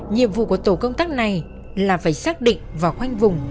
nhiệm vụ của tổ công tác này là phải xác định và khoanh vùng